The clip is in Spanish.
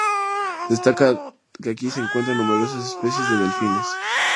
Destaca que aquí se encuentren numerosas especies de delfines.